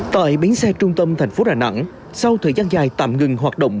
tại bến xe trung tâm tp đà nẵng sau thời gian dài tạm ngừng hoạt động